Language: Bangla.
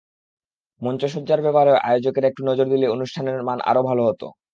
মঞ্চসজ্জার ব্যাপারেও আয়োজকেরা একটু নজর দিলে অনুষ্ঠানের মান আরও ভালো হতো।